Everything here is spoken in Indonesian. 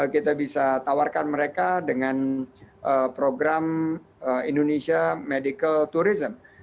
kita bisa tawarkan mereka dengan program indonesia medical tourism